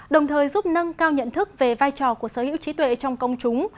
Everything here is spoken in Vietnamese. đồng thời giúp nâng cao nhận thức về vai trò của sở hữu trí tuệ trong công chúng